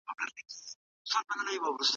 د تېرو پېښو په اړه د ابهام او دوه رنګۍ مخه ونيسئ.